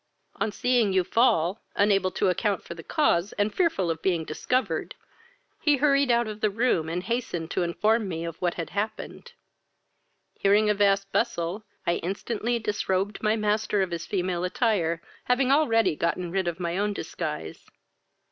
"On seeing you fall, unable to account for the cause, and fearful of being discovered, he hurried out of the room, and hastened to inform me of what had happened. Hearing a vast bustle, I instantly disrobed my master of his female attire, having already gotten rid of my own disguise?